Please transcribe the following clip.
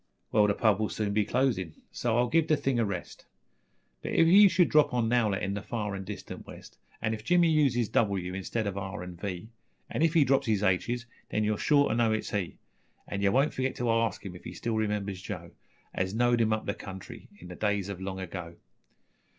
Well, the pub will soon be closin', so I'll give the thing a rest; But if you should drop on Nowlett in the far an' distant west An' if Jimmy uses doubleyou instead of ar an' vee, An' if he drops his aitches, then you're sure to know it's he. An' yer won't forgit to arsk him if he still remembers Joe As knowed him up the country in the days o' long ago.